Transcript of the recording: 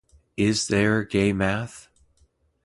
Is there gay math?